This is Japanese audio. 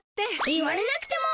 言われなくても。